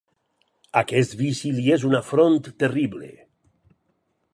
Aquest vici li és un afront terrible.